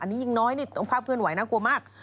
อันนี้ยิ่งน้อยนี่ตรงภาพเคลื่อนไหน่ากลัวมาก